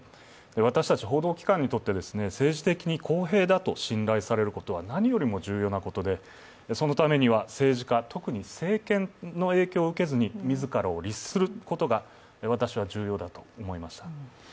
私たち報道機関にとって政治的に公平だと判断されることは何よりも重要なことでそのためには政治家、特に政権の影響を受けずに自らを律することが重要だと思います。